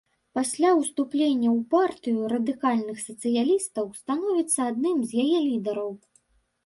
Пасля ўступлення ў партыю радыкальных сацыялістаў, становіцца адным з яе лідараў.